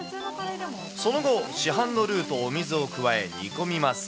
その後、市販のルウとお水を加え煮込みます。